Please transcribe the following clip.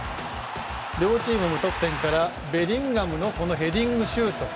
両チーム、無得点からベリンガムのこのヘディングシュート。